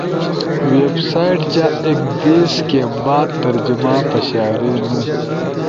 ویب سائٹ جا ایک دھیس کے بعد ترجمہ پشارینُو۔